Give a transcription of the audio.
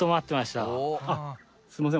すいません。